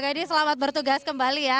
jadi selamat bertugas kembali ya